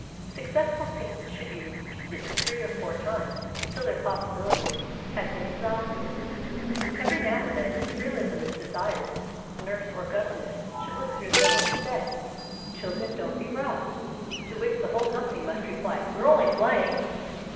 Success ful scenes should be repeated three or four times till their possibilities had been ex hausted. Every now and then, if realism is desired, nurse or governess should look through the door and say, " Children, don't be rough," to which the whole company must reply, " We're only playing